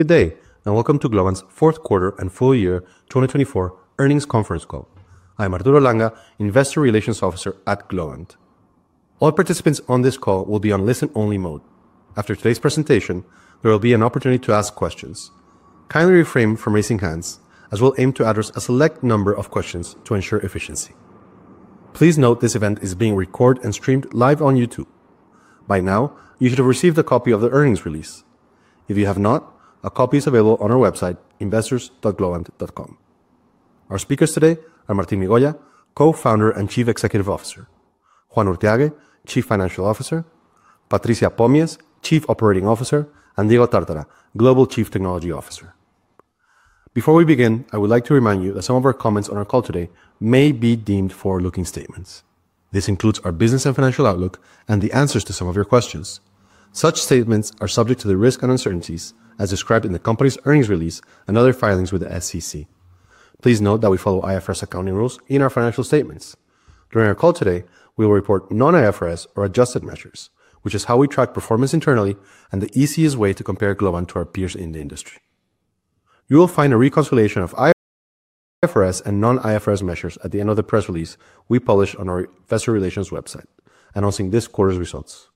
Good day, and welcome to Globant's fourth quarter and full year 2024 earnings conference call. I'm Arturo Langa, Investor Relations Officer at Globant. All participants on this call will be on listen-only mode. After today's presentation, there will be an opportunity to ask questions. Kindly refrain from raising hands, as we'll aim to address a select number of questions to ensure efficiency. Please note this event is being recorded and streamed live on YouTube. By now, you should have received a copy of the earnings release. If you have not, a copy is available on our website, investors.globant.com. Our speakers today are Martín Migoya, Co-founder and Chief Executive Officer; Juan Urthiague, Chief Financial Officer; Patricia Pomies, Chief Operating Officer; and Diego Tartara, Global Chief Technology Officer. Before we begin, I would like to remind you that some of our comments on our call today may be deemed forward-looking statements. This includes our business and financial outlook and the answers to some of your questions. Such statements are subject to the risks and uncertainties as described in the company's earnings release and other filings with the SEC. Please note that we follow IFRS accounting rules in our financial statements. During our call today, we will report non-IFRS or adjusted measures, which is how we track performance internally and the easiest way to compare Globant to our peers in the industry. You will find a reconciliation of IFRS and non-IFRS measures at the end of the press release we publish on our Investor Relations website, announcing this quarter's results.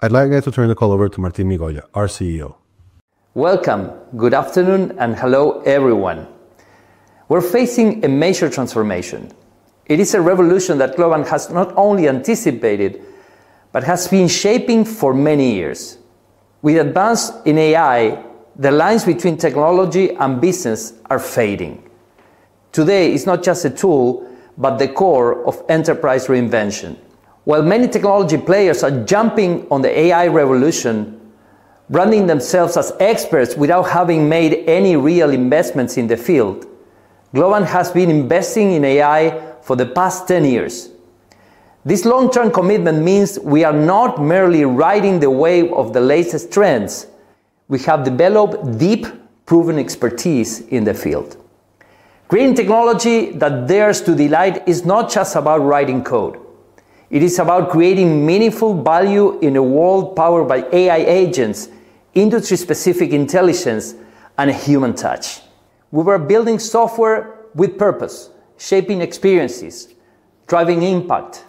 I'd like to turn the call over to Martín Migoya, our CEO. Welcome. Good afternoon and hello, everyone. We're facing a major transformation. It is a revolution that Globant has not only anticipated but has been shaping for many years. With advances in AI, the lines between technology and business are fading. Today, it's not just a tool but the core of enterprise reinvention. While many technology players are jumping on the AI revolution, branding themselves as experts without having made any real investments in the field, Globant has been investing in AI for the past 10 years. This long-term commitment means we are not merely riding the wave of the latest trends. We have developed deep, proven expertise in the field. Creating technology that dares to delight is not just about writing code. It is about creating meaningful value in a world powered by AI agents, industry-specific intelligence, and a human touch. We were building software with purpose, shaping experiences, driving impact,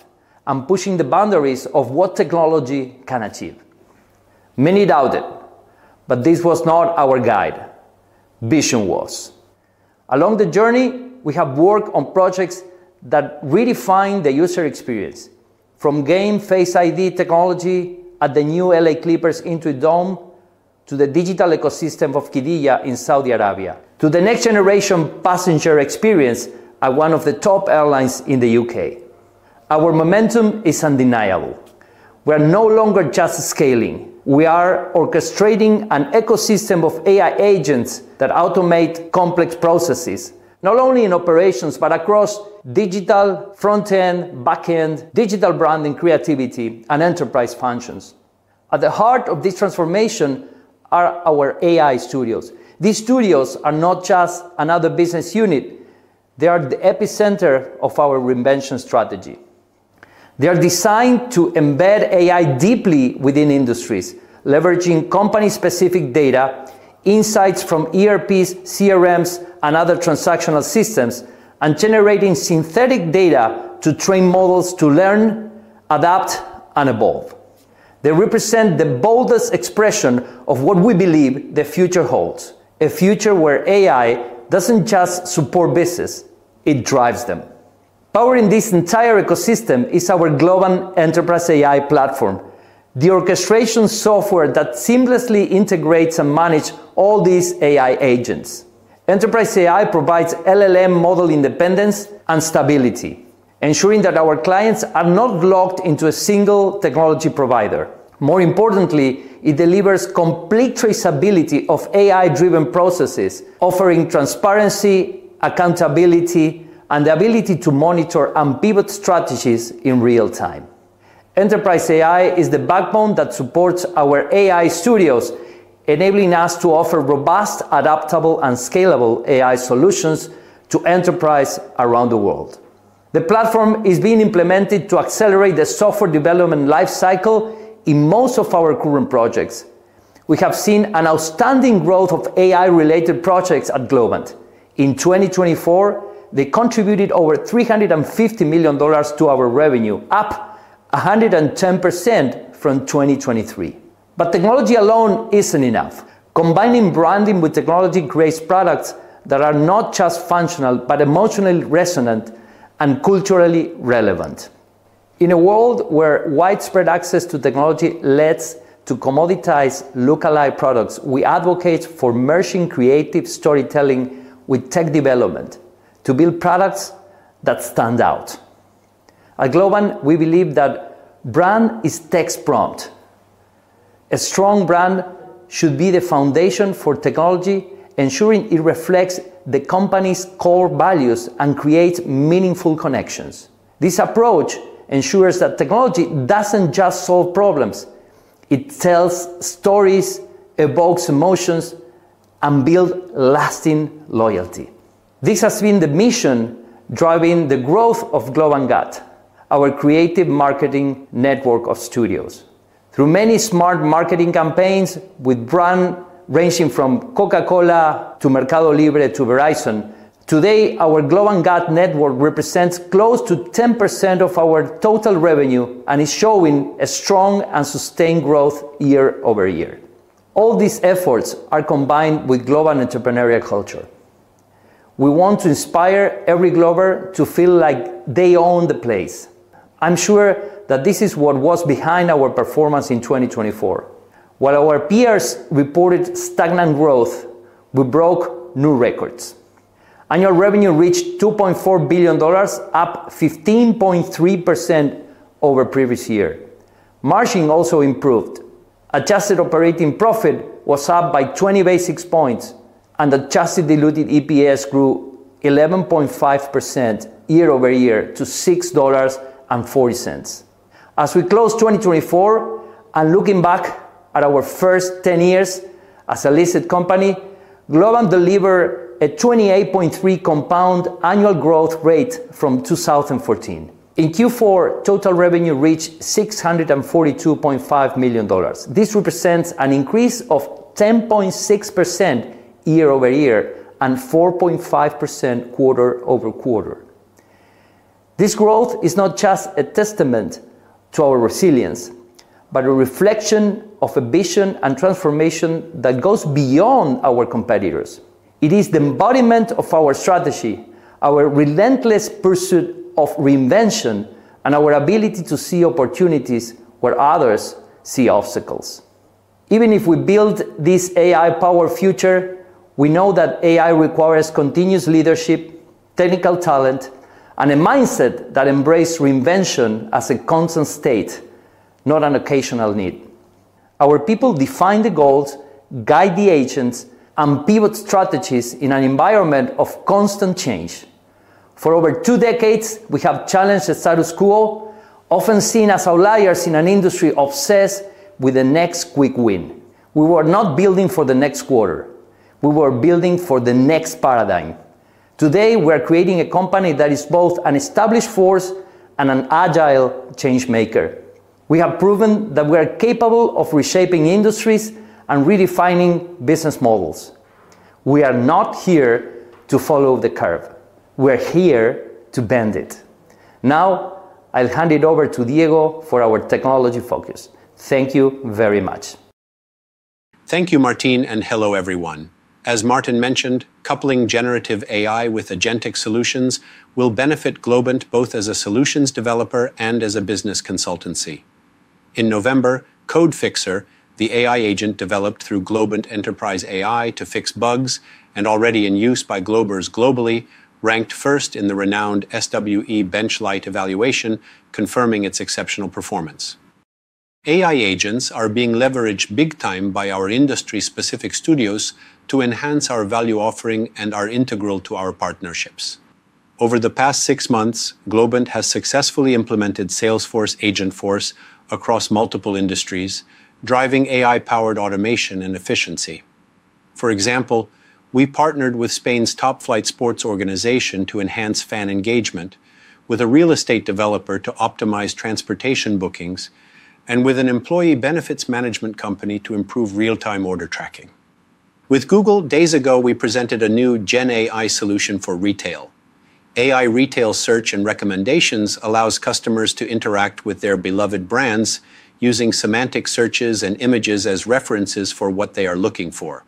and pushing the boundaries of what technology can achieve. Many doubted, but this was not our guide. Vision was. Along the journey, we have worked on projects that redefine the user experience, from GameFace ID technology at the new LA Clippers Intuit Dome to the digital ecosystem of Qiddiya in Saudi Arabia to the next-generation passenger experience at one of the top airlines in the UK. Our momentum is undeniable. We're no longer just scaling. We are orchestrating an ecosystem of AI agents that automate complex processes, not only in operations but across digital, front-end, back-end, digital branding, creativity, and enterprise functions. At the heart of this transformation are our AI studios. These studios are not just another business unit. They are the epicenter of our reinvention strategy. They are designed to embed AI deeply within industries, leveraging company-specific data, insights from ERPs, CRMs, and other transactional systems, and generating synthetic data to train models to learn, adapt, and evolve. They represent the boldest expression of what we believe the future holds: a future where AI doesn't just support business. It drives them. Powering this entire ecosystem is our Globant Enterprise AI platform, the orchestration software that seamlessly integrates and manages all these AI agents. Enterprise AI provides LLM model independence and stability, ensuring that our clients are not locked into a single technology provider. More importantly, it delivers complete traceability of AI-driven processes, offering transparency, accountability, and the ability to monitor and pivot strategies in real time. Enterprise AI is the backbone that supports our AI studios, enabling us to offer robust, adaptable, and scalable AI solutions to enterprises around the world. The platform is being implemented to accelerate the software development lifecycle in most of our current projects. We have seen an outstanding growth of AI-related projects at Globant. In 2024, they contributed over $350 million to our revenue, up 110% from 2023. But technology alone isn't enough. Combining branding with technology creates products that are not just functional but emotionally resonant and culturally relevant. In a world where widespread access to technology leads to commoditized, localized products, we advocate for merging creative storytelling with tech development to build products that stand out. At Globant, we believe that brand is text prompt. A strong brand should be the foundation for technology, ensuring it reflects the company's core values and creates meaningful connections. This approach ensures that technology doesn't just solve problems. It tells stories, evokes emotions, and builds lasting loyalty. This has been the mission driving the growth of Globant GUT, our creative marketing network of studios. Through many smart marketing campaigns with brands ranging from Coca-Cola to Mercado Libre to Verizon, today, our Globant GUT network represents close to 10% of our total revenue and is showing a strong and sustained growth year-over-year. All these efforts are combined with Globant entrepreneurial culture. We want to inspire every Glober to feel like they own the place. I'm sure that this is what was behind our performance in 2024. While our peers reported stagnant growth, we broke new records. Annual revenue reached $2.4 billion, up 15.3% over the previous year. Margin also improved. Adjusted operating profit was up by 20 basis points, and Adjusted diluted EPS grew 11.5% year-over-year to $6.40. As we close 2024 and look back at our first 10 years as a listed company, Globant delivered a 28.3% compound annual growth rate from 2014. In Q4, total revenue reached $642.5 million. This represents an increase of 10.6% year-over-year and 4.5% quarter-over-quarter. This growth is not just a testament to our resilience but a reflection of a vision and transformation that goes beyond our competitors. It is the embodiment of our strategy, our relentless pursuit of reinvention, and our ability to see opportunities where others see obstacles. Even if we build this AI-powered future, we know that AI requires continuous leadership, technical talent, and a mindset that embraces reinvention as a constant state, not an occasional need. Our people define the goals, guide the agents, and pivot strategies in an environment of constant change. For over two decades, we have challenged the status quo, often seen as outliers in an industry obsessed with the next quick win. We were not building for the next quarter. We were building for the next paradigm. Today, we're creating a company that is both an established force and an agile change maker. We have proven that we are capable of reshaping industries and redefining business models. We are not here to follow the curve. We're here to bend it. Now, I'll hand it over to Diego for our technology focus. Thank you very much. Thank you, Martín, and hello, everyone. As Martín mentioned, coupling generative AI with agentic solutions will benefit Globant both as a solutions developer and as a business consultancy. In November, CodeFixer, the AI agent developed through Globant Enterprise AI to fix bugs and already in use by Globers globally, ranked first in the renowned SWE-bench Lite evaluation, confirming its exceptional performance. AI agents are being leveraged big time by our industry-specific studios to enhance our value offering and are integral to our partnerships. Over the past six months, Globant has successfully implemented Salesforce Agentforce across multiple industries, driving AI-powered automation and efficiency. For example, we partnered with Spain's top flight sports organization to enhance fan engagement, with a real estate developer to optimize transportation bookings, and with an employee benefits management company to improve real-time order tracking. With Google, days ago, we presented a new GenAI solution for retail. AI Retail Search and Recommendations allows customers to interact with their beloved brands using semantic searches and images as references for what they are looking for.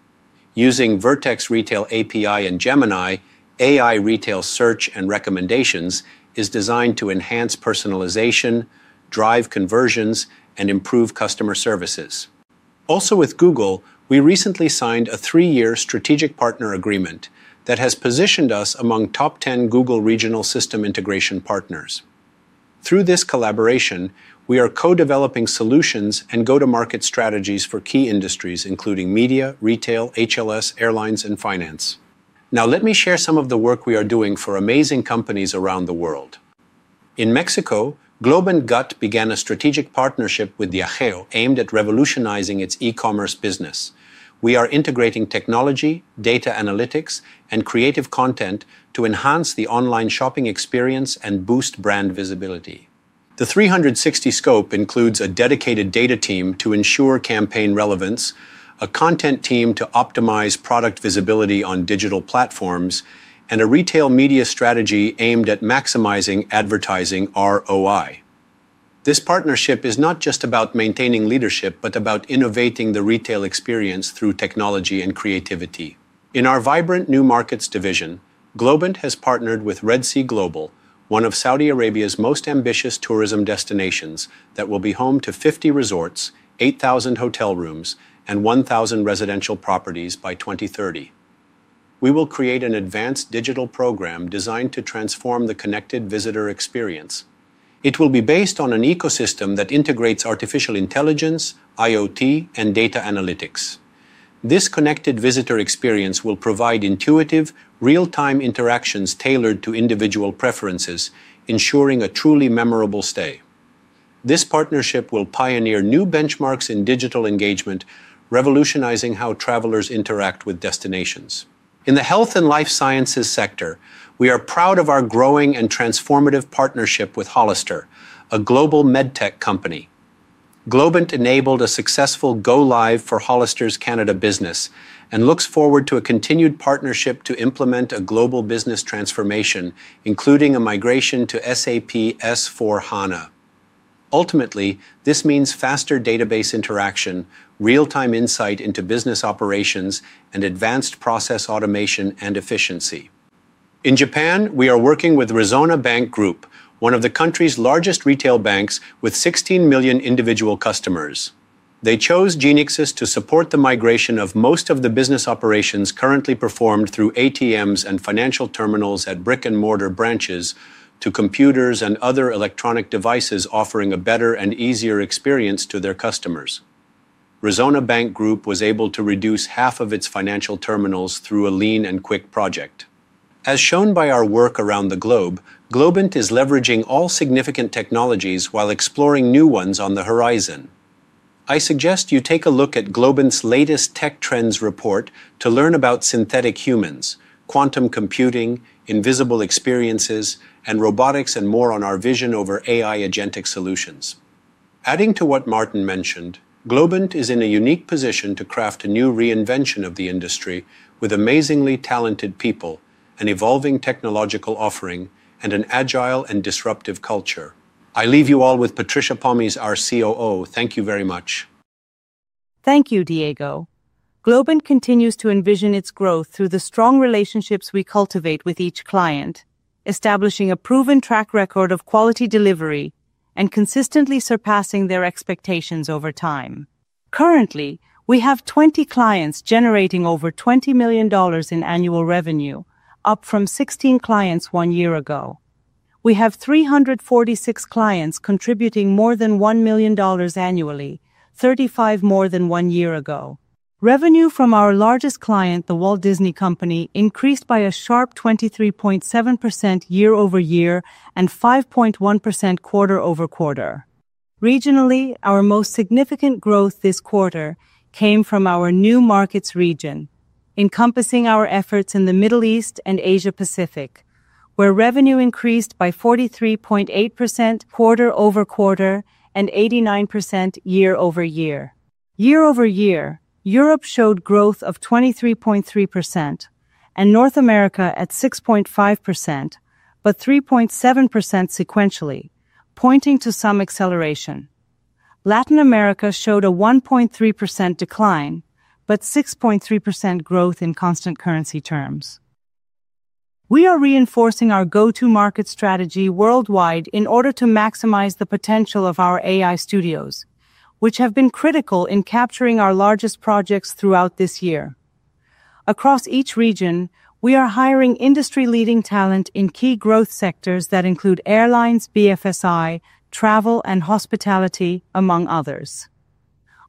Using Vertex Retail API and Gemini, AI Retail Search and Recommendations is designed to enhance personalization, drive conversions, and improve customer services. Also, with Google, we recently signed a three-year strategic partner agreement that has positioned us among top 10 Google regional system integration partners. Through this collaboration, we are co-developing solutions and go-to-market strategies for key industries, including media, retail, HLS, airlines, and finance. Now, let me share some of the work we are doing for amazing companies around the world. In Mexico, Globant GUT began a strategic partnership with Diageo aimed at revolutionizing its e-commerce business. We are integrating technology, data analytics, and creative content to enhance the online shopping experience and boost brand visibility. The 360 scope includes a dedicated data team to ensure campaign relevance, a content team to optimize product visibility on digital platforms, and a retail media strategy aimed at maximizing advertising ROI. This partnership is not just about maintaining leadership but about innovating the retail experience through technology and creativity. In our vibrant New Markets division, Globant has partnered with Red Sea Global, one of Saudi Arabia's most ambitious tourism destinations that will be home to 50 resorts, 8,000 hotel rooms, and 1,000 residential properties by 2030. We will create an advanced digital program designed to transform the connected visitor experience. It will be based on an ecosystem that integrates artificial intelligence, IoT, and data analytics. This connected visitor experience will provide intuitive, real-time interactions tailored to individual preferences, ensuring a truly memorable stay. This partnership will pioneer new benchmarks in digital engagement, revolutionizing how travelers interact with destinations. In the health and life sciences sector, we are proud of our growing and transformative partnership with Hollister, a global medtech company. Globant enabled a successful go-live for Hollister's Canada business and looks forward to a continued partnership to implement a global business transformation, including a migration to SAP S/4HANA. Ultimately, this means faster database interaction, real-time insight into business operations, and advanced process automation and efficiency. In Japan, we are working with Resona Holdings, one of the country's largest retail banks with 16 million individual customers. They chose GeneXus to support the migration of most of the business operations currently performed through ATMs and financial terminals at brick-and-mortar branches to computers and other electronic devices, offering a better and easier experience to their customers. Resona Holdings was able to reduce half of its financial terminals through a lean and quick project. As shown by our work around the globe, Globant is leveraging all significant technologies while exploring new ones on the horizon. I suggest you take a look at Globant's latest tech trends report to learn about synthetic humans, quantum computing, invisible experiences, and robotics and more on our vision over AI agentic solutions. Adding to what Martín mentioned, Globant is in a unique position to craft a new reinvention of the industry with amazingly talented people, an evolving technological offering, and an agile and disruptive culture. I leave you all with Patricia Pomies, our COO. Thank you very much. Thank you, Diego. Globant continues to envision its growth through the strong relationships we cultivate with each client, establishing a proven track record of quality delivery and consistently surpassing their expectations over time. Currently, we have 20 clients generating over $20 million in annual revenue, up from 16 clients one year ago. We have 346 clients contributing more than $1 million annually, 35 more than one year ago. Revenue from our largest client, the Walt Disney Company, increased by a sharp 23.7% year-over-year and 5.1% quarter-over-quarter. Regionally, our most significant growth this quarter came from our New Markets region, encompassing our efforts in the Middle East and Asia-Pacific, where revenue increased by 43.8% quarter-over-quarter and 89% year-over-year. year-over-year, Europe showed growth of 23.3% and North America at 6.5% but 3.7% sequentially, pointing to some acceleration. Latin America showed a 1.3% decline but 6.3% growth in constant currency terms. We are reinforcing our go-to-market strategy worldwide in order to maximize the potential of our AI studios, which have been critical in capturing our largest projects throughout this year. Across each region, we are hiring industry-leading talent in key growth sectors that include airlines, BFSI, travel, and hospitality, among others.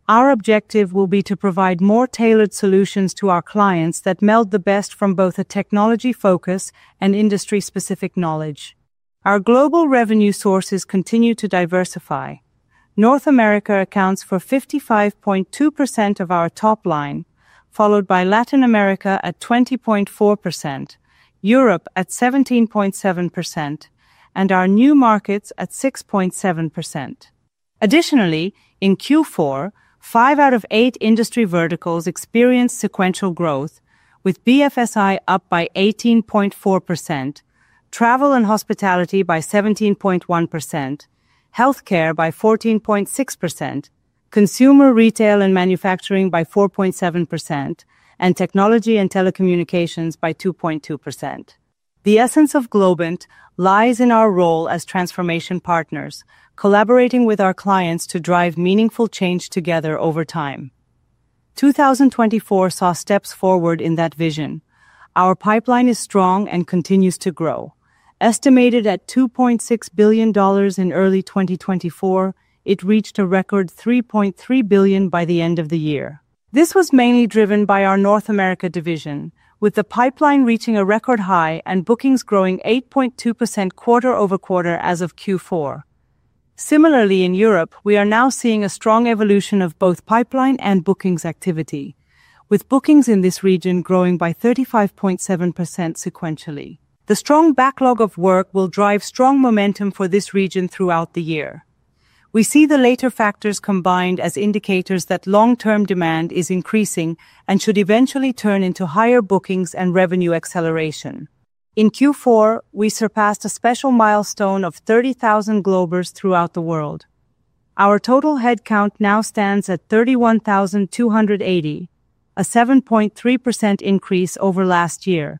Our objective will be to provide more tailored solutions to our clients that meld the best from both a technology focus and industry-specific knowledge. Our global revenue sources continue to diversify. North America accounts for 55.2% of our top line, followed by Latin America at 20.4%, Europe at 17.7%, and our New Markets at 6.7%. Additionally, in Q4, five out of eight industry verticals experienced sequential growth, with BFSI up by 18.4%, travel and hospitality by 17.1%, healthcare by 14.6%, consumer retail and manufacturing by 4.7%, and technology and telecommunications by 2.2%. The essence of Globant lies in our role as transformation partners, collaborating with our clients to drive meaningful change together over time. 2024 saw steps forward in that vision. Our pipeline is strong and continues to grow. Estimated at $2.6 billion in early 2024, it reached a record $3.3 billion by the end of the year. This was mainly driven by our North America division, with the pipeline reaching a record high and bookings growing 8.2% quarter-over-quarter as of Q4. Similarly, in Europe, we are now seeing a strong evolution of both pipeline and bookings activity, with bookings in this region growing by 35.7% sequentially. The strong backlog of work will drive strong momentum for this region throughout the year. We see the latter factors combined as indicators that long-term demand is increasing and should eventually turn into higher bookings and revenue acceleration. In Q4, we surpassed a special milestone of 30,000 Globers throughout the world. Our total headcount now stands at 31,280, a 7.3% increase over last year,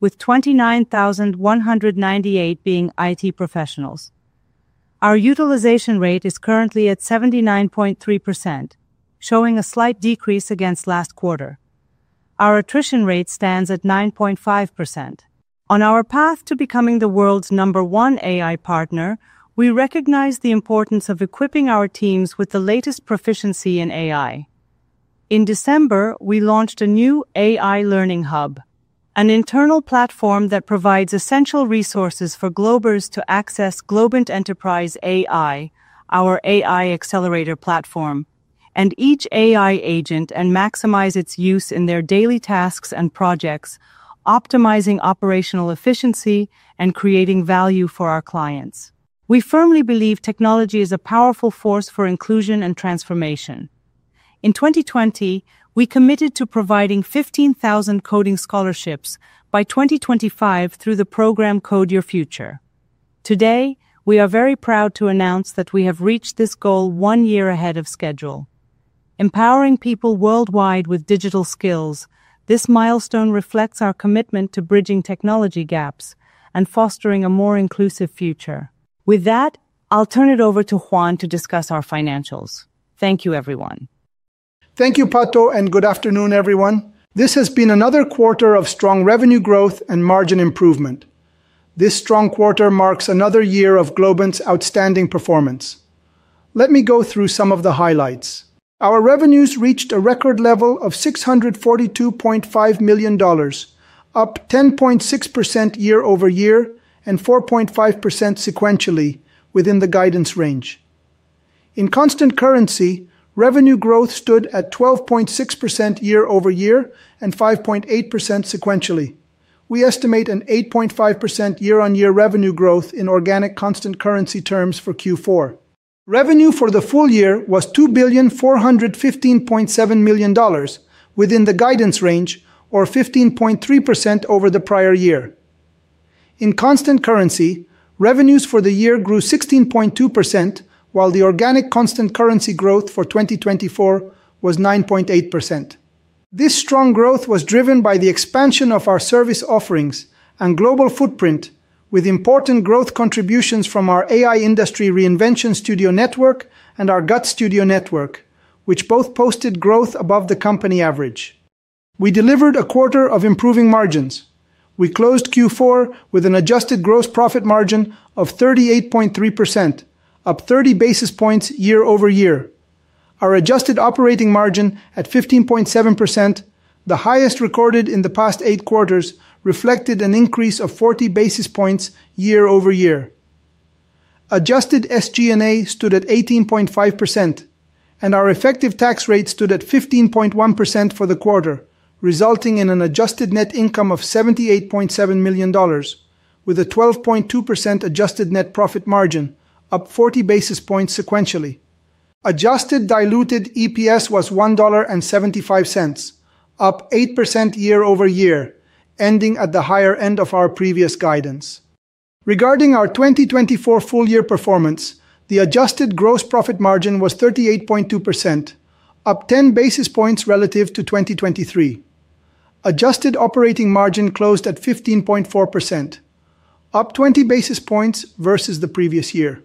with 29,198 being IT professionals. Our utilization rate is currently at 79.3%, showing a slight decrease against last quarter. Our attrition rate stands at 9.5%. On our path to becoming the world's number one AI partner, we recognize the importance of equipping our teams with the latest proficiency in AI. In December, we launched a new AI learning hub, an internal platform that provides essential resources for Globers to access Globant Enterprise AI, our AI accelerator platform, and each AI agent and maximize its use in their daily tasks and projects, optimizing operational efficiency and creating value for our clients. We firmly believe technology is a powerful force for inclusion and transformation. In 2020, we committed to providing 15,000 coding scholarships by 2025 through the program Code Your Future. Today, we are very proud to announce that we have reached this goal one year ahead of schedule. Empowering people worldwide with digital skills, this milestone reflects our commitment to bridging technology gaps and fostering a more inclusive future. With that, I'll turn it over to Juan to discuss our financials. Thank you, everyone. Thank you, Pato, and good afternoon, everyone. This has been another quarter of strong revenue growth and margin improvement. This strong quarter marks another year of Globant's outstanding performance. Let me go through some of the highlights. Our revenues reached a record level of $642.5 million, up 10.6% year-over-year and 4.5% sequentially within the guidance range. In constant currency, revenue growth stood at 12.6% year-over-year and 5.8% sequentially. We estimate an 8.5% year-on-year revenue growth in organic constant currency terms for Q4. Revenue for the full year was $2,415.7 million, within the guidance range, or 15.3% over the prior year. In constant currency, revenues for the year grew 16.2%, while the organic constant currency growth for 2024 was 9.8%. This strong growth was driven by the expansion of our service offerings and global footprint, with important growth contributions from our AI Industry Reinvention Studio network and our GUT studio network, which both posted growth above the company average. We delivered a quarter of improving margins. We closed Q4 with an Adjusted gross profit margin of 38.3%, up 30 basis points year-over-year. Our Adjusted operating margin at 15.7%, the highest recorded in the past eight quarters, reflected an increase of 40 basis points year-over-year. Adjusted SG&A stood at 18.5%, and our effective tax rate stood at 15.1% for the quarter, resulting in an Adjusted net income of $78.7 million, with a 12.2% Adjusted net profit margin, up 40 basis points sequentially. Adjusted diluted EPS was $1.75, up 8% year-over-year, ending at the higher end of our previous guidance. Regarding our 2024 full-year performance, the Adjusted gross profit margin was 38.2%, up 10 basis points relative to 2023. Adjusted operating margin closed at 15.4%, up 20 basis points versus the previous year.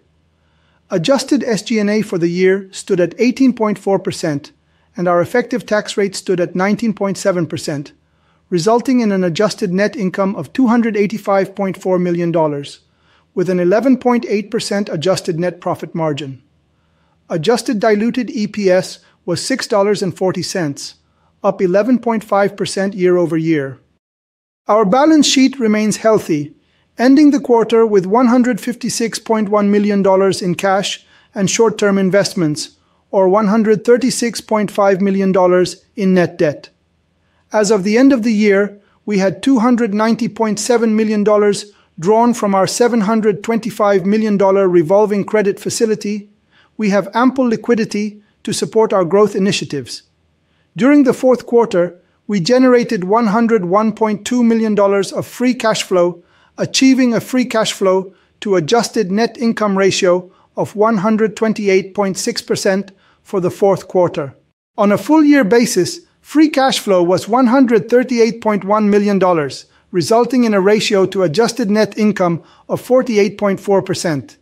Adjusted SG&A for the year stood at 18.4%, and our effective tax rate stood at 19.7%, resulting in an Adjusted net income of $285.4 million, with an 11.8% Adjusted net profit margin. Adjusted diluted EPS was $6.40, up 11.5% year-over-year. Our balance sheet remains healthy, ending the quarter with $156.1 million in cash and short-term investments, or $136.5 million in net debt. As of the end of the year, we had $290.7 million drawn from our $725 million revolving credit facility. We have ample liquidity to support our growth initiatives. During the fourth quarter, we generated $101.2 million of free cash flow, achieving a free cash flow-to-adjusted net income ratio of 128.6% for the fourth quarter. On a full-year basis, free cash flow was $138.1 million, resulting in a ratio-to-adjusted net income of 48.4%.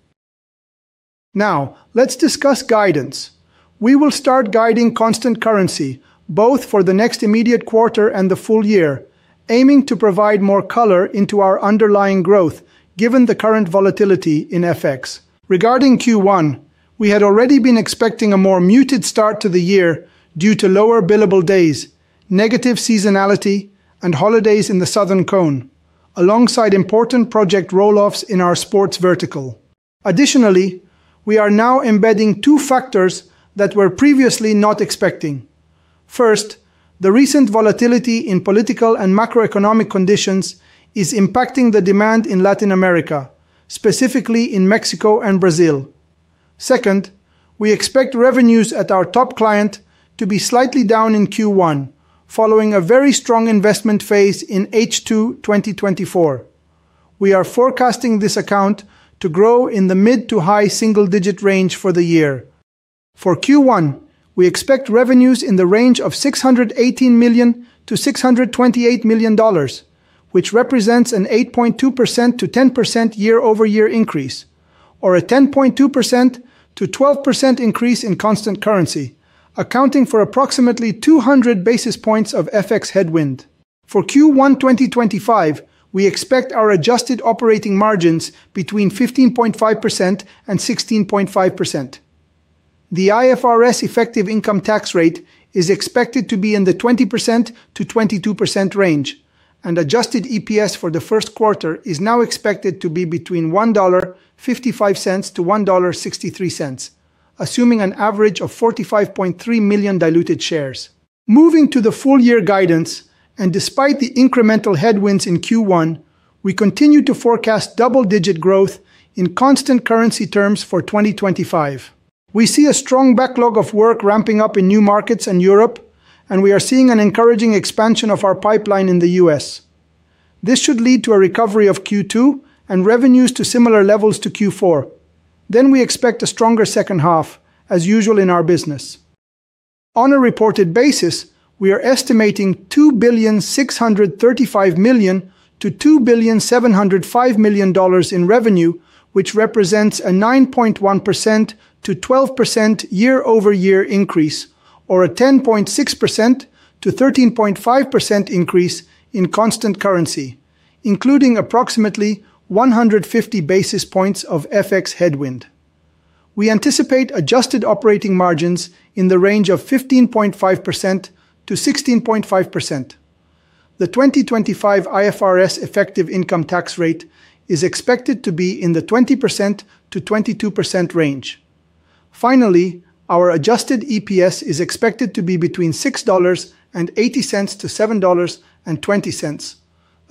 Now, let's discuss guidance. We will start guiding constant currency, both for the next immediate quarter and the full year, aiming to provide more color into our underlying growth given the current volatility in FX. Regarding Q1, we had already been expecting a more muted start to the year due to lower billable days, negative seasonality, and holidays in the Southern Cone, alongside important project rolloffs in our sports vertical. Additionally, we are now embedding two factors that were previously not expecting. First, the recent volatility in political and macroeconomic conditions is impacting the demand in Latin America, specifically in Mexico and Brazil. Second, we expect revenues at our top client to be slightly down in Q1, following a very strong investment phase in H2 2024. We are forecasting this account to grow in the mid to high single-digit range for the year. For Q1, we expect revenues in the range of $618 million-$628 million, which represents an 8.2%-10% year-over-year increase, or a 10.2%-12% increase in constant currency, accounting for approximately 200 basis points of FX headwind. For Q1 2025, we expect our Adjusted operating margins between 15.5% and 16.5%. The IFRS effective income tax rate is expected to be in the 20%-22% range, and adjusted EPS for the first quarter is now expected to be between $1.55-$1.63, assuming an average of 45.3 million diluted shares. Moving to the full-year guidance, and despite the incremental headwinds in Q1, we continue to forecast double-digit growth in constant currency terms for 2025. We see a strong backlog of work ramping up in New Markets and Europe, and we are seeing an encouraging expansion of our pipeline in the US. This should lead to a recovery of Q2 and revenues to similar levels to Q4. Then we expect a stronger second half, as usual in our business. On a reported basis, we are estimating $2,635 million-$2,705 million in revenue, which represents a 9.1%-12% year-over-year increase, or a 10.6%-13.5% increase in constant currency, including approximately 150 basis points of FX headwind. We anticipate adjusted operating margins in the range of 15.5%-16.5%. The 2025 IFRS effective income tax rate is expected to be in the 20%-22% range. Finally, our adjusted EPS is expected to be between $6.80-$7.20,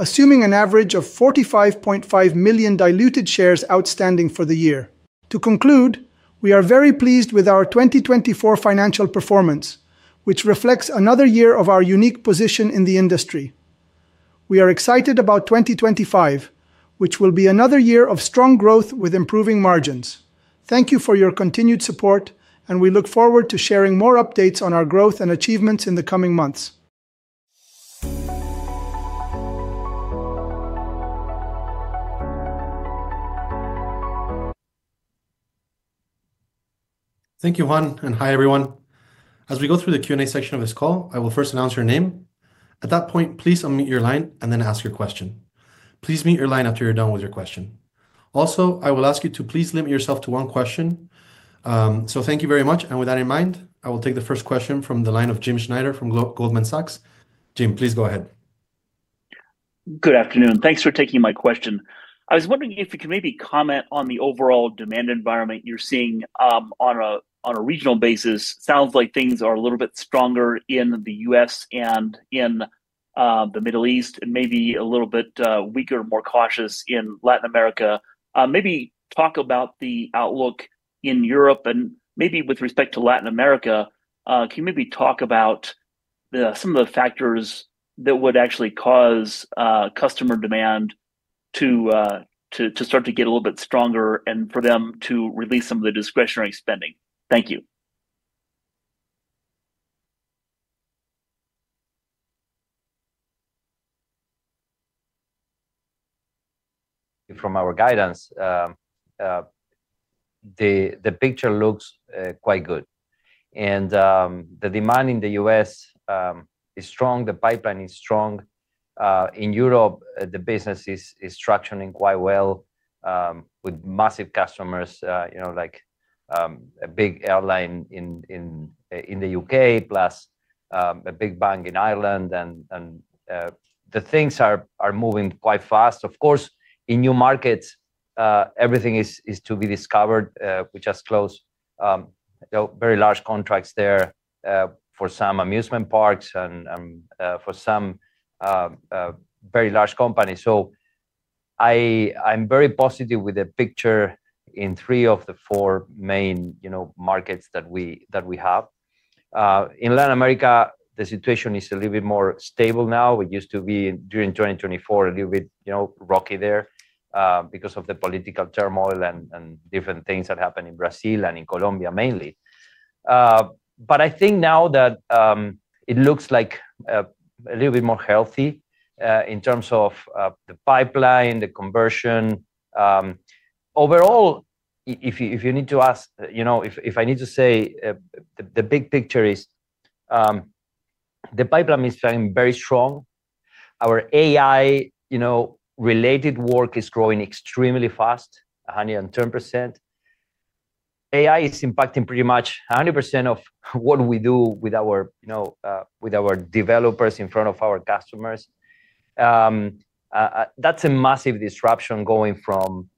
assuming an average of 45.5 million diluted shares outstanding for the year. To conclude, we are very pleased with our 2024 financial performance, which reflects another year of our unique position in the industry. We are excited about 2025, which will be another year of strong growth with improving margins. Thank you for your continued support, and we look forward to sharing more updates on our growth and achievements in the coming months. Thank you, Juan, and hi everyone. As we go through the Q&A section of this call, I will first announce your name. At that point, please unmute your line and then ask your question. Please mute your line after you're done with your question. Also, I will ask you to please limit yourself to one question. So thank you very much, and with that in mind, I will take the first question from the line of Jim Schneider from Goldman Sachs. Jim, please go ahead. Good afternoon. Thanks for taking my question. I was wondering if you can maybe comment on the overall demand environment you're seeing on a regional basis. Sounds like things are a little bit stronger in the U.S. and in the Middle East, and maybe a little bit weaker, more cautious in Latin America. Maybe talk about the outlook in Europe and maybe with respect to Latin America. Can you maybe talk about some of the factors that would actually cause customer demand to start to get a little bit stronger and for them to release some of the discretionary spending? Thank you. From our guidance, the picture looks quite good, and the demand in the U.S. is strong. The pipeline is strong. In Europe, the business is structuring quite well with massive customers, like a big airline in the U.K., plus a big bank in Ireland, and the things are moving quite fast. Of course, in New Markets, everything is to be discovered. We just closed very large contracts there for some amusement parks and for some very large companies, so I'm very positive with the picture in three of the four main markets that we have. In Latin America, the situation is a little bit more stable now. It used to be during 2024 a little bit rocky there because of the political turmoil and different things that happened in Brazil and in Colombia mainly. But I think now that it looks like a little bit more healthy in terms of the pipeline, the conversion. Overall, if you need to ask, if I need to say, the big picture is the pipeline is very strong. Our AI-related work is growing extremely fast, 110%. AI is impacting pretty much 100% of what we do with our developers in front of our customers. That's a massive disruption going from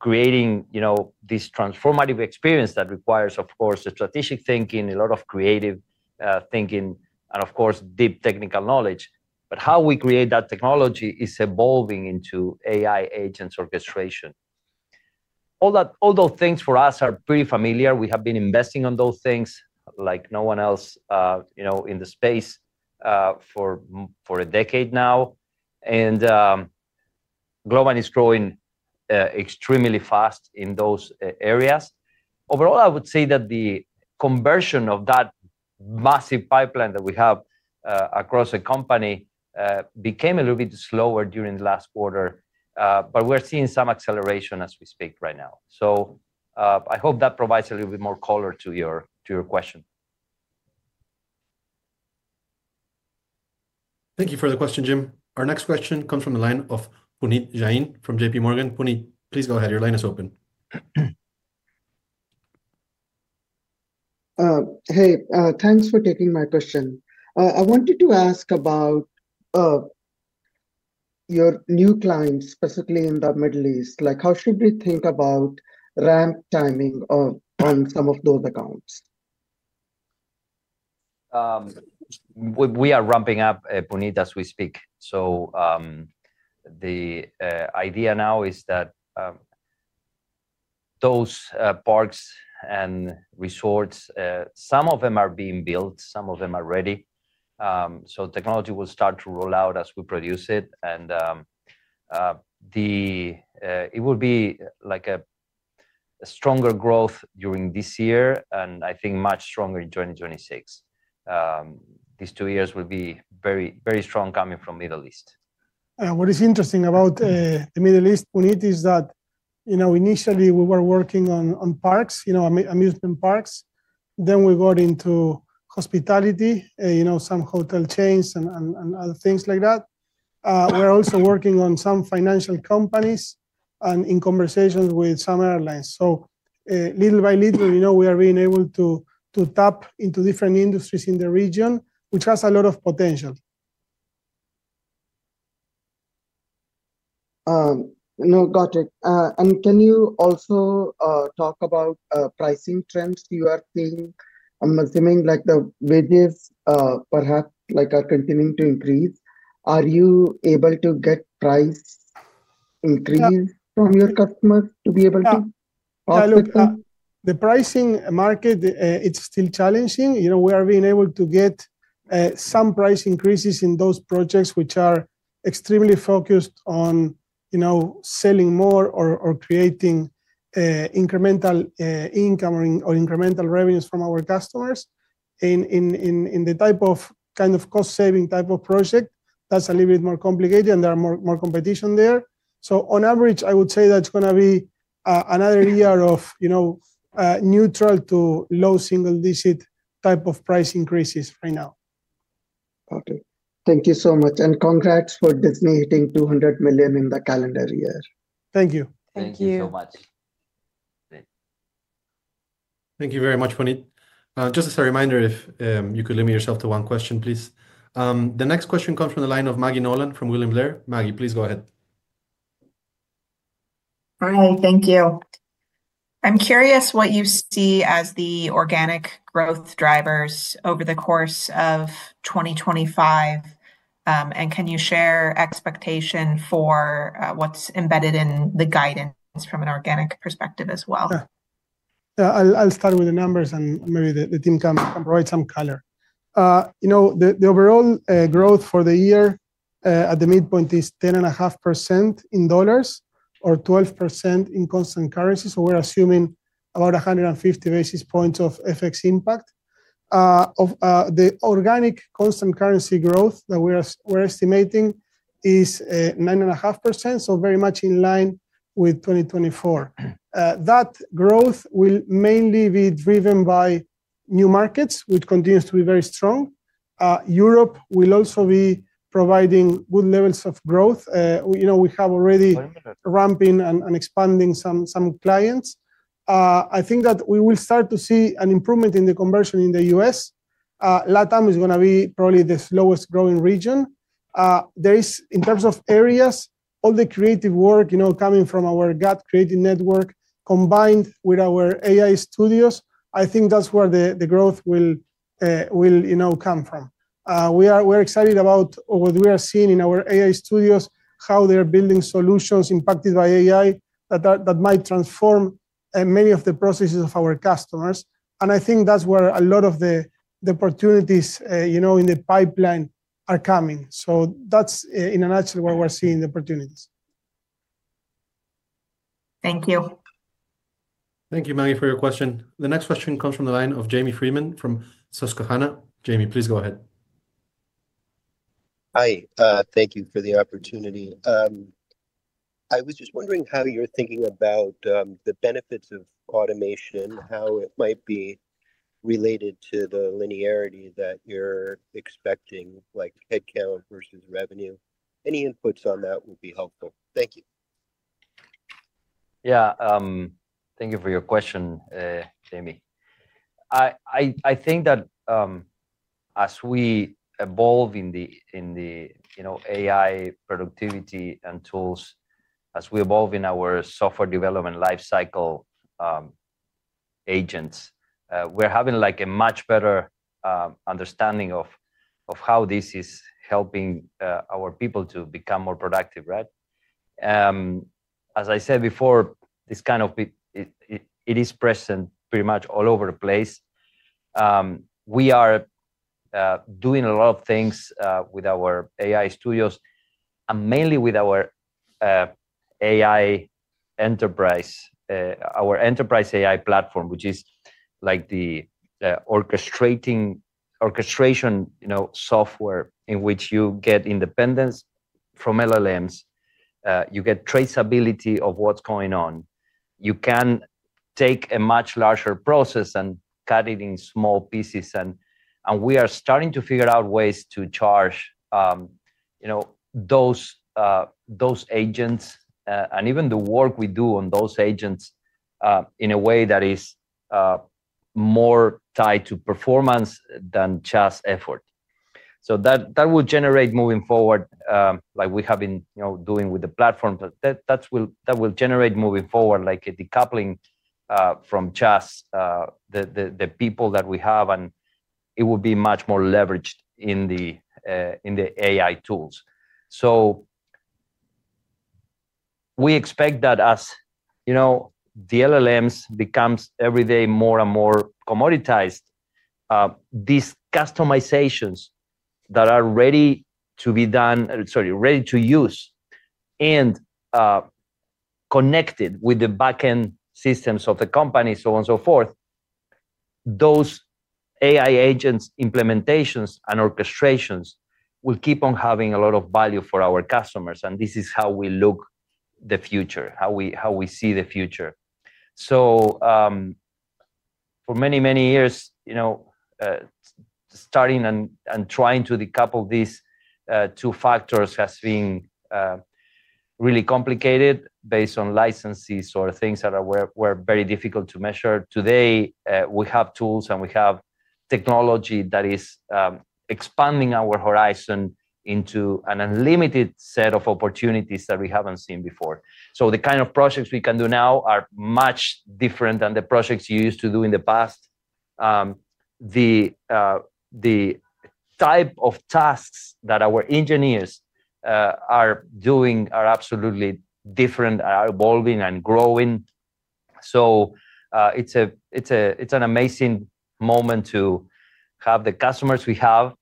creating this transformative experience that requires, of course, the strategic thinking, a lot of creative thinking, and of course, deep technical knowledge. But how we create that technology is evolving into AI agents orchestration. All those things for us are pretty familiar. We have been investing on those things like no one else in the space for a decade now. And Globant is growing extremely fast in those areas. Overall, I would say that the conversion of that massive pipeline that we have across the company became a little bit slower during the last quarter, but we're seeing some acceleration as we speak right now. So I hope that provides a little bit more color to your question. Thank you for the question, Jim. Our next question comes from the line of Puneet Jain from J.P. Morgan. Puneet, please go ahead. Your line is open. Hey, thanks for taking my question. I wanted to ask about your new clients, specifically in the Middle East. How should we think about ramp timing on some of those accounts? We are ramping up, Puneet, as we speak, so the idea now is that those parks and resorts, some of them are being built, some of them are ready, so technology will start to roll out as we produce it, and it will be like a stronger growth during this year, and I think much stronger in 2026. These two years will be very strong coming from the Middle East. What is interesting about the Middle East, Puneet, is that initially we were working on parks, amusement parks. Then we got into hospitality, some hotel chains and other things like that. We're also working on some financial companies and in conversations with some airlines. So little by little, we are being able to tap into different industries in the region, which has a lot of potential. No, got it. And can you also talk about pricing trends you are seeing? I'm assuming the wages perhaps are continuing to increase. Are you able to get price increase from your customers to be able to offset that? The pricing market, it's still challenging. We are being able to get some price increases in those projects which are extremely focused on selling more or creating incremental income or incremental revenues from our customers. In the type of kind of cost-saving type of project, that's a little bit more complicated and there are more competition there. So on average, I would say that's going to be another year of neutral to low single-digit type of price increases right now. Got it. Thank you so much. And congrats for Disney hitting 200 million in the calendar year. Thank you. Thank you so much. Thank you very much, Puneet. Just as a reminder, if you could limit yourself to one question, please. The next question comes from the line of Maggie Nolan from William Blair. Maggie, please go ahead. Hi, thank you. I'm curious what you see as the organic growth drivers over the course of 2025, and can you share expectation for what's embedded in the guidance from an organic perspective as well? Yeah. I'll start with the numbers and maybe the team can provide some color. The overall growth for the year at the midpoint is 10.5% in dollars or 12% in constant currency. So we're assuming about 150 basis points of FX impact. The organic constant currency growth that we're estimating is 9.5%, so very much in line with 2024. That growth will mainly be driven by New Markets, which continues to be very strong. Europe will also be providing good levels of growth. We have already ramping and expanding some clients. I think that we will start to see an improvement in the conversion in the US. LatAm is going to be probably the slowest growing region. In terms of areas, all the creative work coming from our GUT creative network combined with our AI studios, I think that's where the growth will come from. We are excited about what we are seeing in our AI studios, how they're building solutions impacted by AI that might transform many of the processes of our customers, and I think that's where a lot of the opportunities in the pipeline are coming, so that's in a nutshell what we're seeing the opportunities. Thank you. Thank you, Maggie, for your question. The next question comes from the line of Jamie Friedman from Susquehanna. Jamie, please go ahead. Hi. Thank you for the opportunity. I was just wondering how you're thinking about the benefits of automation, how it might be related to the linearity that you're expecting, like headcount versus revenue. Any inputs on that would be helpful. Thank you. Yeah. Thank you for your question, Jamie. I think that as we evolve in the AI productivity and tools, as we evolve in our software development lifecycle agents, we're having a much better understanding of how this is helping our people to become more productive, right? As I said before, this kind of it is present pretty much all over the place. We are doing a lot of things with our AI studios and mainly with our Enterprise AI, our Enterprise AI platform, which is like the orchestration software in which you get independence from LLMs. You get traceability of what's going on. You can take a much larger process and cut it in small pieces. And we are starting to figure out ways to charge those agents and even the work we do on those agents in a way that is more tied to performance than just effort. So that will generate moving forward, like we have been doing with the platform, a decoupling from just the people that we have, and it will be much more leveraged in the AI tools. We expect that as the LLMs become every day more and more commoditized, these customizations that are ready to be done, sorry, ready to use and connected with the back-end systems of the companies, so on and so forth, those AI agents implementations and orchestrations will keep on having a lot of value for our customers, and this is how we look the future, how we see the future for many, many years, starting and trying to decouple these two factors has been really complicated based on licenses or things that were very difficult to measure. Today, we have tools and we have technology that is expanding our horizon into an unlimited set of opportunities that we haven't seen before. So the kind of projects we can do now are much different than the projects you used to do in the past. The type of tasks that our engineers are doing are absolutely different and are evolving and growing. So it's an amazing moment to have the customers we have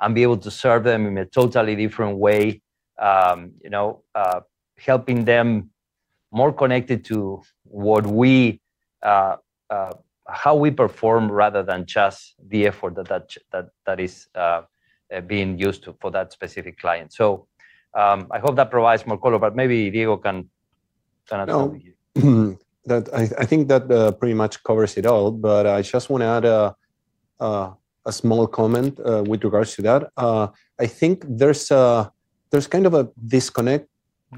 and be able to serve them in a totally different way, helping them more connected to how we perform rather than just the effort that is being used for that specific client. So I hope that provides more color, but maybe Diego can add something. I think that pretty much covers it all, but I just want to add a small comment with regards to that. I think there's kind of a disconnect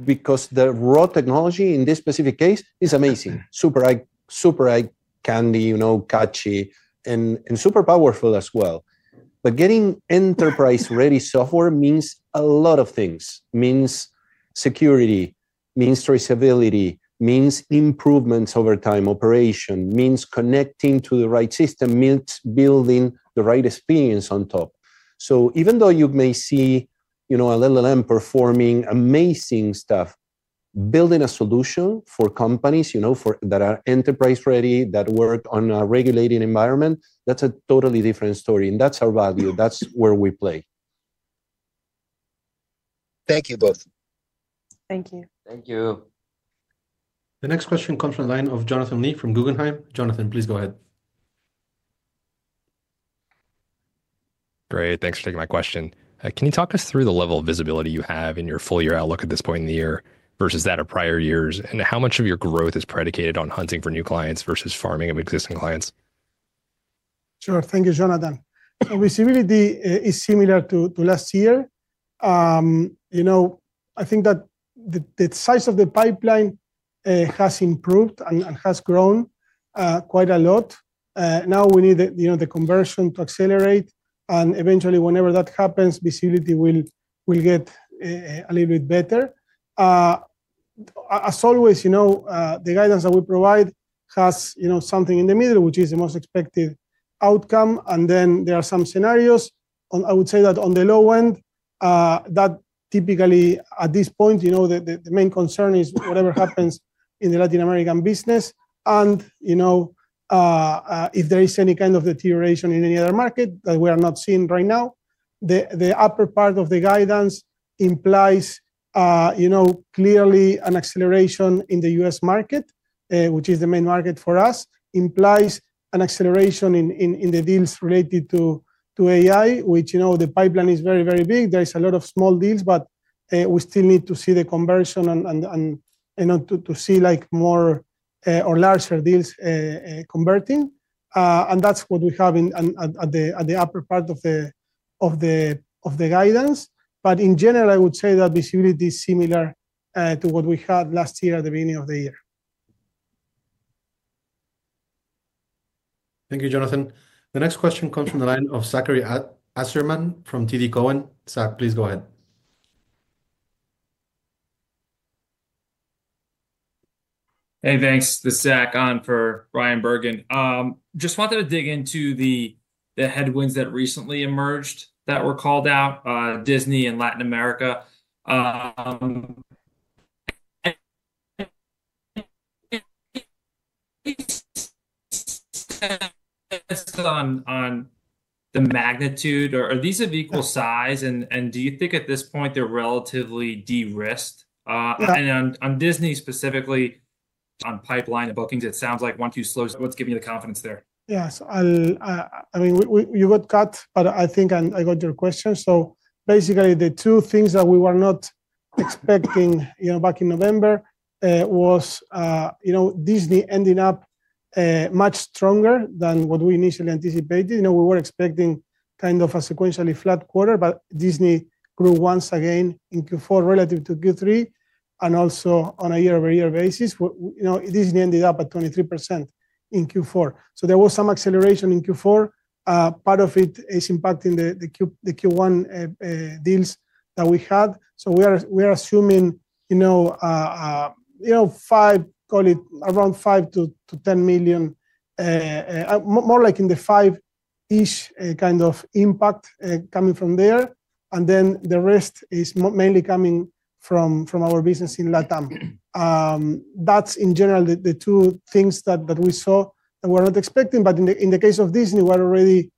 because the raw technology in this specific case is amazing, super eye candy, catchy, and super powerful as well, but getting enterprise-ready software means a lot of things. It means security, it means traceability, it means improvements over time, operation, it means connecting to the right system, building the right experience on top. So even though you may see an LLM performing amazing stuff, building a solution for companies that are enterprise-ready, that work on a regulated environment, that's a totally different story, and that's our value. That's where we play. Thank you both. Thank you. Thank you. The next question comes from the line of Jonathan Lee from Guggenheim. Jonathan, please go ahead. Great. Thanks for taking my question. Can you talk us through the level of visibility you have in your full-year outlook at this point in the year versus that of prior years, and how much of your growth is predicated on hunting for new clients versus farming of existing clients? Sure. Thank you, Jonathan. Visibility is similar to last year. I think that the size of the pipeline has improved and has grown quite a lot. Now we need the conversion to accelerate. And eventually, whenever that happens, visibility will get a little bit better. As always, the guidance that we provide has something in the middle, which is the most expected outcome. And then there are some scenarios. I would say that on the low end, that typically at this point, the main concern is whatever happens in the Latin American business. And if there is any kind of deterioration in any other market that we are not seeing right now, the upper part of the guidance implies clearly an acceleration in the US market, which is the main market for us, implies an acceleration in the deals related to AI, which the pipeline is very, very big. There is a lot of small deals, but we still need to see the conversion and to see more or larger deals converting, and that's what we have at the upper part of the guidance, but in general, I would say that visibility is similar to what we had last year at the beginning of the year. Thank you, Jonathan. The next question comes from the line of Zachary Ajzenman from TD Cowen. Zach, please go ahead. Hey, thanks. This is Zach on for Bryan Bergin. Just wanted to dig into the headwinds that recently emerged that were called out, Disney and Latin America. On the magnitude, are these of equal size? And do you think at this point they're relatively de-risked? And on Disney specifically, on pipeline and bookings, it sounds like once you slow. What's giving you the confidence there? Yes. I mean, you got cut, but I think I got your question. So basically, the two things that we were not expecting back in November was Disney ending up much stronger than what we initially anticipated. We were expecting kind of a sequentially flat quarter, but Disney grew once again in Q4 relative to Q3 and also on a year-over-year basis. Disney ended up at 23% in Q4. So there was some acceleration in Q4. Part of it is impacting the Q1 deals that we had. So we are assuming around $5 million-$10 million, more like in the 5-ish kind of impact coming from there. And then the rest is mainly coming from our business in LatAm. That's in general the two things that we saw that we were not expecting. But in the case of Disney, we're already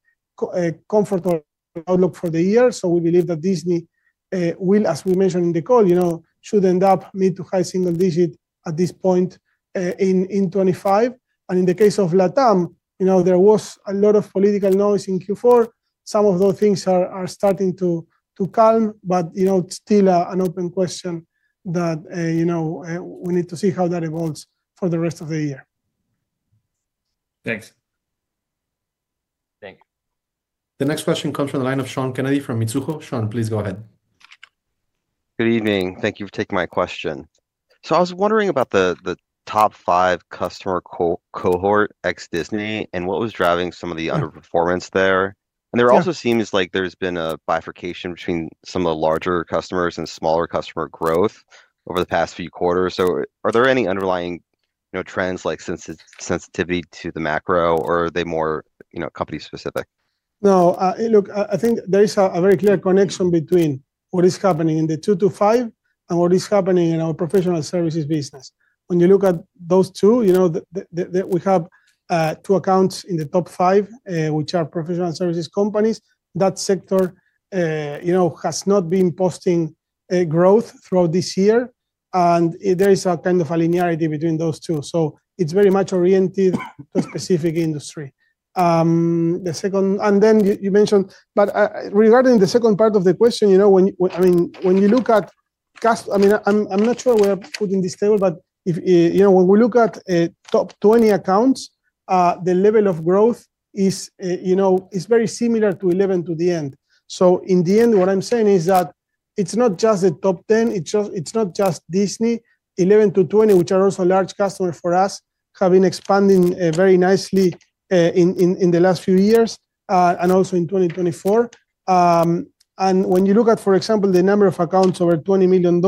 comfortable outlook for the year. We believe that Disney will, as we mentioned in the call, should end up mid- to high-single-digit at this point in 2025. And in the case of LatAm, there was a lot of political noise in Q4. Some of those things are starting to calm, but it's still an open question that we need to see how that evolves for the rest of the year. Thanks. Thank you. The next question comes from the line of Sean Kennedy from Mizuho. Sean, please go ahead. Good evening. Thank you for taking my question. So I was wondering about the top five customer cohort ex-Disney and what was driving some of the underperformance there. And there also seems like there's been a bifurcation between some of the larger customers and smaller customer growth over the past few quarters. So are there any underlying trends like sensitivity to the macro, or are they more company-specific? No. Look, I think there is a very clear connection between what is happening in the 2 to 5 and what is happening in our professional services business. When you look at those two, we have two accounts in the top five, which are professional services companies. That sector has not been posting growth throughout this year. And there is a kind of a linearity between those two. So it's very much oriented to a specific industry. And then you mentioned, but regarding the second part of the question, I mean, when you look at, I mean, I'm not sure we're putting this table, but when we look at top 20 accounts, the level of growth is very similar to 11 to the end. So in the end, what I'm saying is that it's not just the top 10. It's not just Disney. 11 to 20, which are also large customers for us, have been expanding very nicely in the last few years and also in 2024. And when you look at, for example, the number of accounts over $20 million,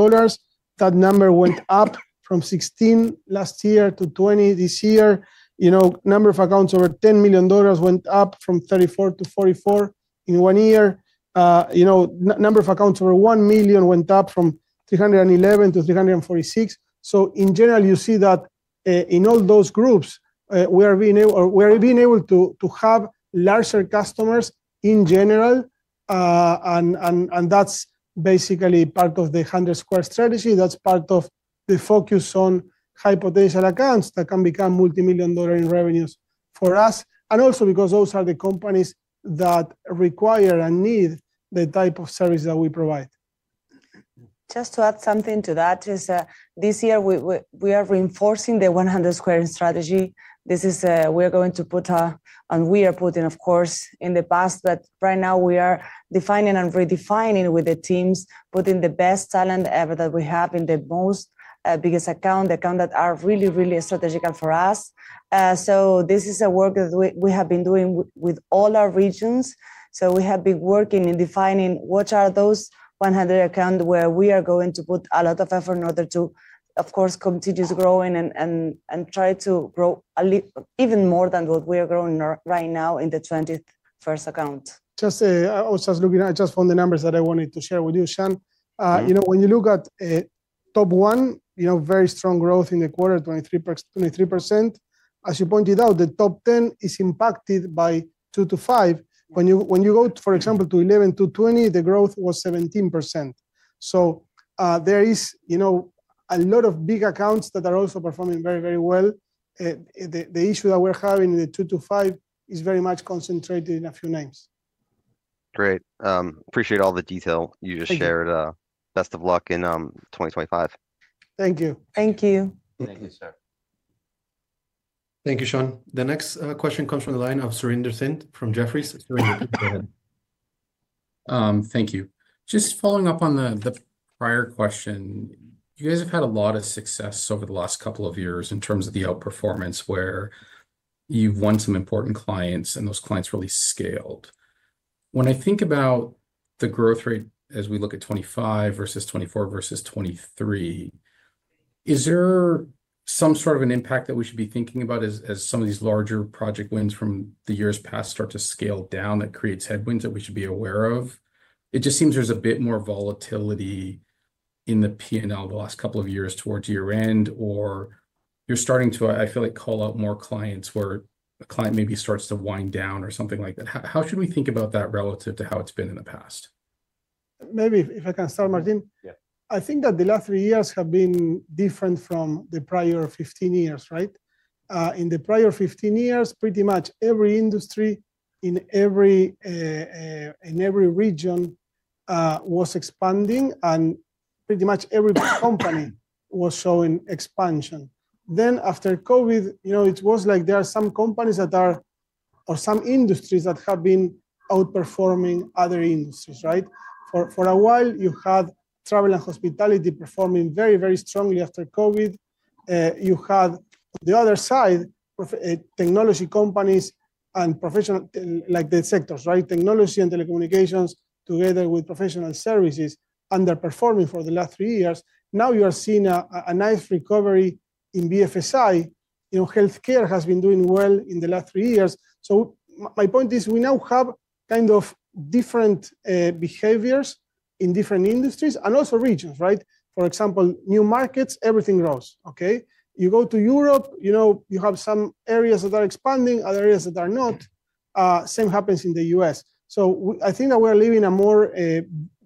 that number went up from 16 last year to 20 this year. Number of accounts over $10 million went up from 34 to 44 in one year. Number of accounts over one million went up from 311 to 346. So in general, you see that in all those groups, we are being able to have larger customers in general. And that's basically part of the 100-Squared strategy. That's part of the focus on high-potential accounts that can become multi-million dollar in revenues for us. And also because those are the companies that require and need the type of service that we provide. Just to add something to that, this year, we are reinforcing the 100 accounts strategy. This is, of course, right now we are defining and redefining with the teams, putting the best talent ever that we have in the most biggest accounts, the accounts that are really, really strategic for us. So this is a work that we have been doing with all our regions. So we have been working in defining what are those 100 accounts where we are going to put a lot of effort in order to, of course, continue growing and try to grow even more than what we are growing right now in the 21st account. Just looking at just from the numbers that I wanted to share with you, Sean, when you look at top 10, very strong growth in the quarter, 23%. As you pointed out, the top 10 is impacted by 2 to 5. When you go, for example, to 11 to 20, the growth was 17%. So there is a lot of big accounts that are also performing very, very well. The issue that we're having in the 2 to 5 is very much concentrated in a few names. Great. Appreciate all the detail you just shared. Best of luck in 2025. Thank you. Thank you. Thank you, sir. Thank you, Sean. The next question comes from the line of Surinder Thind from Jefferies. Surinder, go ahead. Thank you. Just following up on the prior question, you guys have had a lot of success over the last couple of years in terms of the outperformance where you've won some important clients and those clients really scaled. When I think about the growth rate as we look at 2025 versus 2024 versus 2023, is there some sort of an impact that we should be thinking about as some of these larger project wins from the years past start to scale down that creates headwinds that we should be aware of? It just seems there's a bit more volatility in the P&L the last couple of years towards year-end, or you're starting to, I feel like, call out more clients where a client maybe starts to wind down or something like that. How should we think about that relative to how it's been in the past? Maybe if I can start, Martín. I think that the last three years have been different from the prior 15 years, right? In the prior 15 years, pretty much every industry in every region was expanding, and pretty much every company was showing expansion. Then after COVID, it was like there are some companies that are or some industries that have been outperforming other industries, right? For a while, you had travel and hospitality performing very, very strongly after COVID. You had, on the other side, technology companies and professional services, like the sectors, right? Technology and telecommunications together with professional services underperforming for the last three years. Now you are seeing a nice recovery in BFSI. Healthcare has been doing well in the last three years. So my point is we now have kind of different behaviors in different industries and also regions, right? For example, New Markets, everything grows, okay? You go to Europe, you have some areas that are expanding, other areas that are not. Same happens in the U.S. So I think that we are living in a more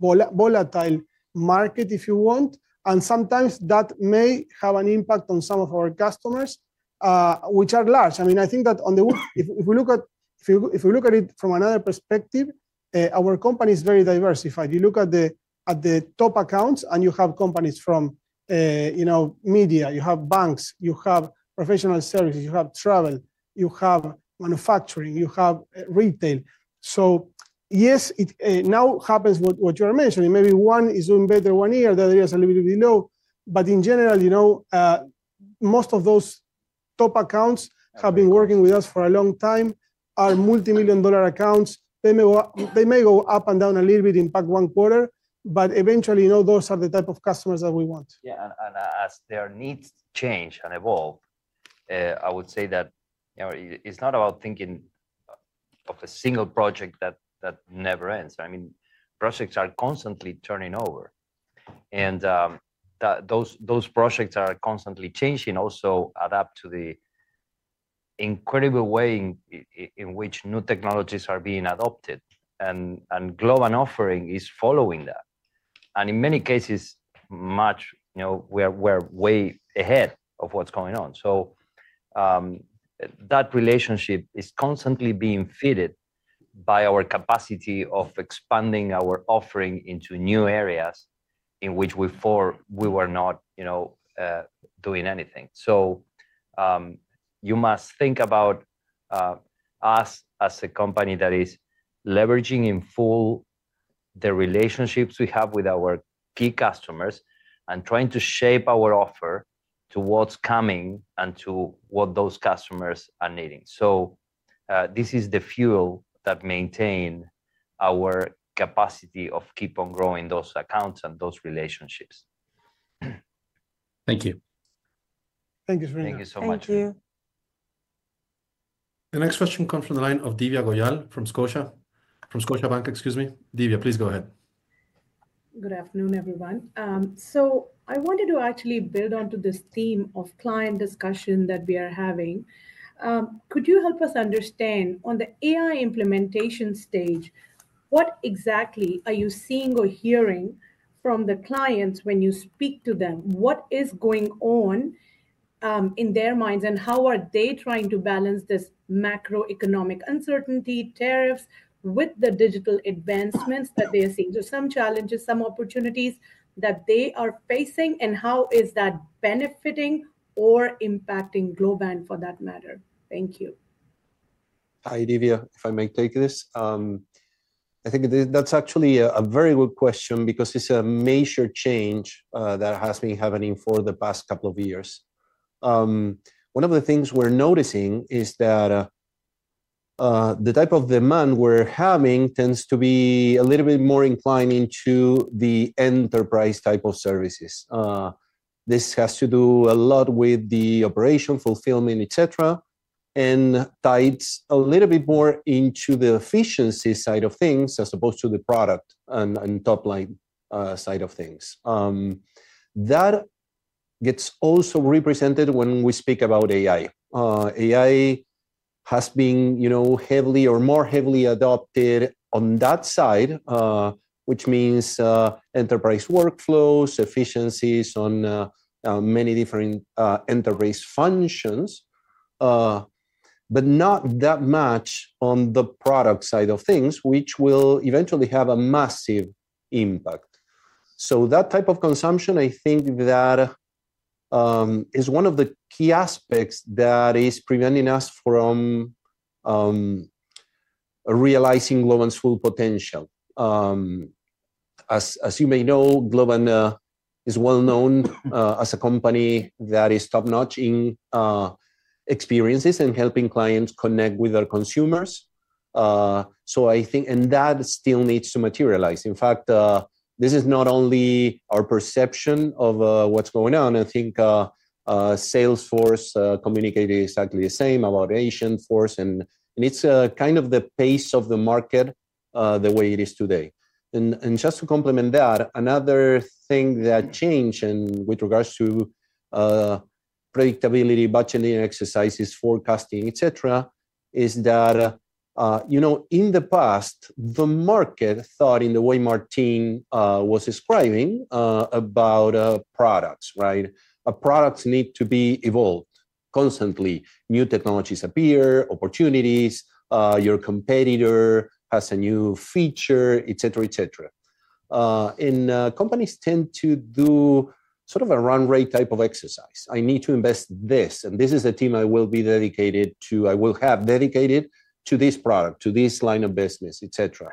volatile market, if you want. And sometimes that may have an impact on some of our customers, which are large. I mean, I think that if we look at it from another perspective, our company is very diversified. You look at the top accounts and you have companies from media. You have banks. You have professional services. You have travel. You have manufacturing. You have retail. So yes, it now happens what you are mentioning. Maybe one is doing better one year. The other year is a little bit below. But in general, most of those top accounts have been working with us for a long time, are multi-million-dollar accounts. They may go up and down a little bit in part one quarter, but eventually, those are the type of customers that we want. Yeah. And as their needs change and evolve, I would say that it's not about thinking of a single project that never ends. I mean, projects are constantly turning over. And those projects are constantly changing also adapt to the incredible way in which new technologies are being adopted. And Globant offering is following that. And in many cases, we are way ahead of what's going on. So that relationship is constantly being fitted by our capacity of expanding our offering into new areas in which before we were not doing anything. So you must think about us as a company that is leveraging in full the relationships we have with our key customers and trying to shape our offer to what's coming and to what those customers are needing. So this is the fuel that maintains our capacity of keeping on growing those accounts and those relationships. Thank you. Thank you very much. Thank you so much. Thank you. The next question comes from the line of Divya Goyal from Scotiabank, excuse me. Divya, please go ahead. Good afternoon, everyone. So I wanted to actually build onto this theme of client discussion that we are having. Could you help us understand on the AI implementation stage, what exactly are you seeing or hearing from the clients when you speak to them? What is going on in their minds and how are they trying to balance this macroeconomic uncertainty, tariffs, with the digital advancements that they are seeing? So some challenges, some opportunities that they are facing, and how is that benefiting or impacting Globant for that matter? Thank you. Hi, Divya, if I may take this. I think that's actually a very good question because it's a major change that has been happening for the past couple of years. One of the things we're noticing is that the type of demand we're having tends to be a little bit more inclined into the enterprise type of services. This has to do a lot with the operation, fulfillment, etc., and ties a little bit more into the efficiency side of things as opposed to the product and top-line side of things. That gets also represented when we speak about AI. AI has been heavily or more heavily adopted on that side, which means enterprise workflows, efficiencies on many different enterprise functions, but not that much on the product side of things, which will eventually have a massive impact. So that type of consumption, I think that is one of the key aspects that is preventing us from realizing Globant's full potential. As you may know, Globant is well-known as a company that is top-notch in experiences and helping clients connect with their consumers. So I think, and that still needs to materialize. In fact, this is not only our perception of what's going on. I think Salesforce communicated exactly the same about Agentforce, and it's kind of the pace of the market the way it is today. And just to complement that, another thing that changed with regards to predictability, budgeting exercises, forecasting, etc., is that in the past, the market thought in the way Martín was describing about products, right? Products need to be evolved constantly. New technologies appear, opportunities, your competitor has a new feature, etc., etc. Companies tend to do sort of a run rate type of exercise. I need to invest this. This is a team I will be dedicated to. I will have dedicated to this product, to this line of business, etc.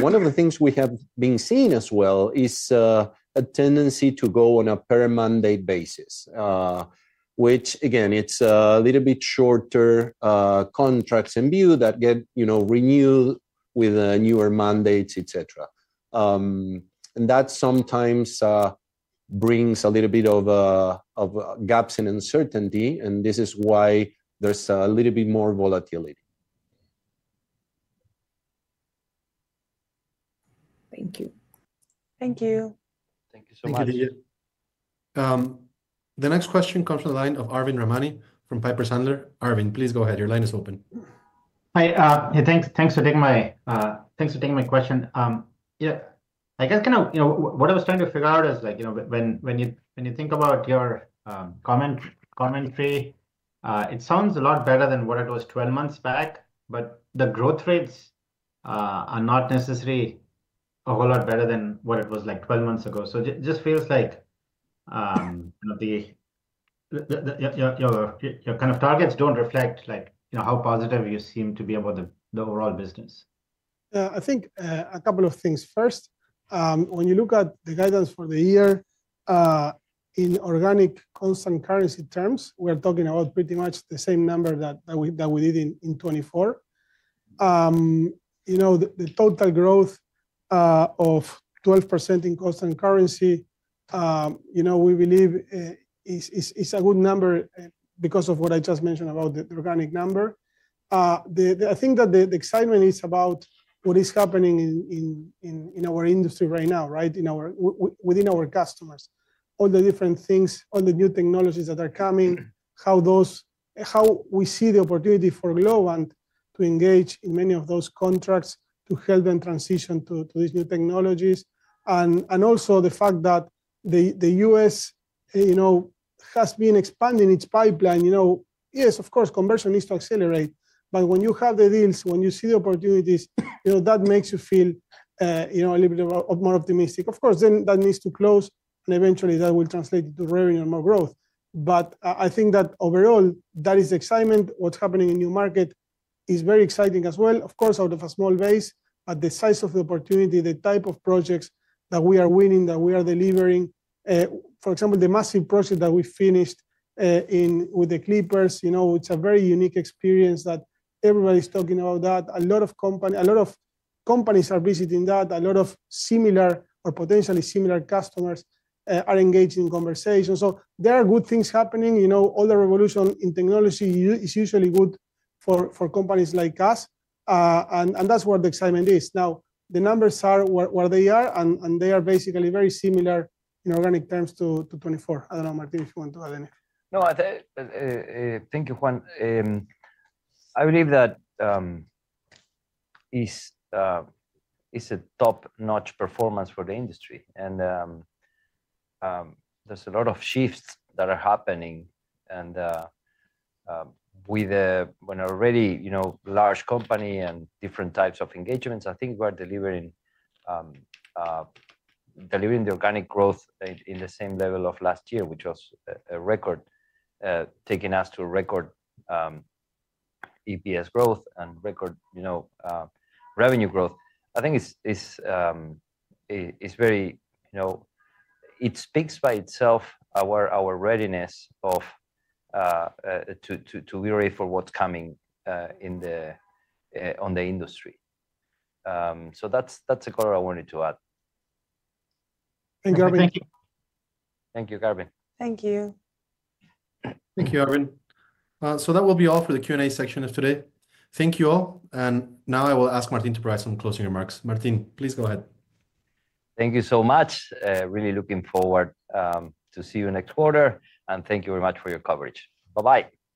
One of the things we have been seeing as well is a tendency to go on a per-mandate basis, which, again, it's a little bit shorter contracts in view that get renewed with newer mandates, etc. That sometimes brings a little bit of gaps in uncertainty, and this is why there's a little bit more volatility. Thank you. Thank you. Thank you so much. Thank you, Divya. The next question comes from the line of Arvind Ramnani from Piper Sandler. Arvind, please go ahead. Your line is open. Hi. Thanks for taking my question. Yeah. I guess kind of what I was trying to figure out is when you think about your commentary, it sounds a lot better than what it was 12 months back, but the growth rates are not necessarily a whole lot better than what it was like 12 months ago. So it just feels like your kind of targets don't reflect how positive you seem to be about the overall business. Yeah. I think a couple of things. First, when you look at the guidance for the year in organic constant currency terms, we are talking about pretty much the same number that we did in 2024. The total growth of 12% in constant currency, we believe is a good number because of what I just mentioned about the organic number. I think that the excitement is about what is happening in our industry right now, right, within our customers. All the different things, all the new technologies that are coming, how we see the opportunity for Globant to engage in many of those contracts to help them transition to these new technologies. And also the fact that the U.S. has been expanding its pipeline. Yes, of course, conversion needs to accelerate. But when you have the deals, when you see the opportunities, that makes you feel a little bit more optimistic. Of course, then that needs to close, and eventually that will translate into revenue and more growth. But I think that overall, that is excitement. What's happening in new market is very exciting as well. Of course, out of a small base, but the size of the opportunity, the type of projects that we are winning, that we are delivering. For example, the massive project that we finished with the Clippers, it's a very unique experience that everybody's talking about that. A lot of companies are visiting that. A lot of similar or potentially similar customers are engaged in conversations. So there are good things happening. All the revolution in technology is usually good for companies like us. And that's where the excitement is. Now, the numbers are where they are, and they are basically very similar in organic terms to 2024. I don't know, Martín, if you want to add anything. No, thank you, Juan. I believe that it's a top-notch performance for the industry, and there's a lot of shifts that are happening, and when already a large company and different types of engagements, I think we are delivering the organic growth in the same level of last year, which was a record, taking us to record EPS growth and record revenue growth. I think it speaks by itself, our readiness to be ready for what's coming on the industry, so that's a color I wanted to add. Thank you, Arvind. Thank you, Arvind. Thank you. Thank you, Arvind. So that will be all for the Q&A section of today. Thank you all. And now I will ask Martín to provide some closing remarks. Martín, please go ahead. Thank you so much. Really looking forward to see you next quarter, and thank you very much for your coverage. Bye-bye.